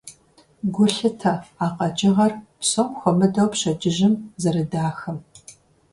Гу лъытэ а къэкӀыгъэр, псом хуэмыдэу пщэдджыжьым, зэрыдахэм.